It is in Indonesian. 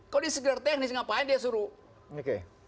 kalau dia sekedar teknis ngapain dia suruh